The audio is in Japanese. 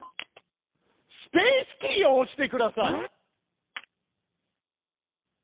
スペースキーを押してください。